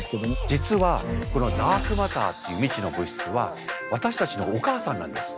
実はこのダークマターっていう未知の物質は私たちのお母さんなんです。